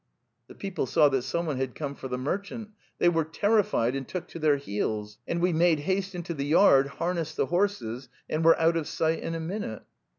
The people saw that someone had come for the merchant; they were terrified and took to their heels. ... And we made haste into the yard, harnessed the horses, and were out of sight in a minute.